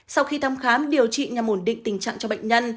sau khi thăm khám điều trị nhằm ổn định tình trạng cho bệnh nhân